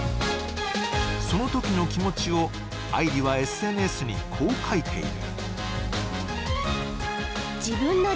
そのときの気持ちを愛梨はＳＮＳにこう書いている。